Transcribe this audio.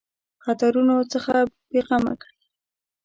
خطرونو څخه بېغمه کړي.